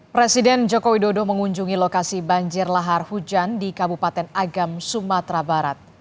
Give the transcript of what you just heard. presiden joko widodo mengunjungi lokasi banjir lahar hujan di kabupaten agam sumatera barat